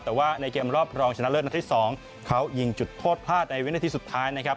แต่ว่าในเกมรอบรองชนะเลิศนัดที่๒เขายิงจุดโทษพลาดในวินาทีสุดท้ายนะครับ